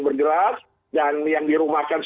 positif jadi diharapkan